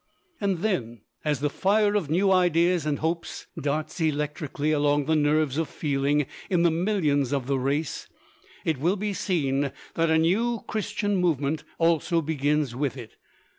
And then, as the fire of new ideas and hopes darts electrically along the nerves of feeling in the millions of the race, it will be seen that a new Christian movement also begins with it.